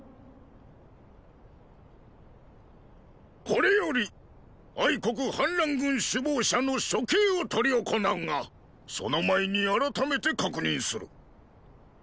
これより国反乱軍首謀者の処刑を執り行うがその前にあらためて確認する。